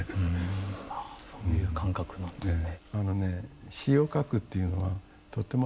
そういう感覚なんですね。